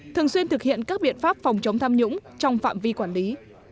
thường xuyên thực hiện các biện pháp phòng chống tham nhũng trong phạm vi quản lý